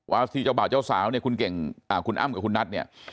บัสดีจ้าวเบ่าจ้าวสาวเนี่ยคุณเข่งคุณอ้ำกับคุณนัดเนี่ย